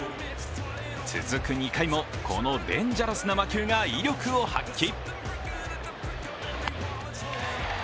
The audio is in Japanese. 続く２回も、このデンジャラスな魔球が威力を発揮。